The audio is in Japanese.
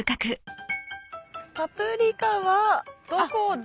パプリカはどこだ？